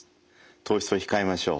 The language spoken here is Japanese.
糖質を控えましょう。